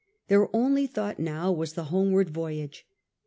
Their only thought now was the homeward voyage.